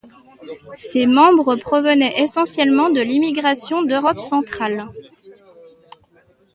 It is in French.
Ces membres provenaient essentiellement de l'immigration d'Europe centrale.